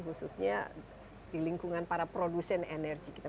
khususnya di lingkungan para produsen energi kita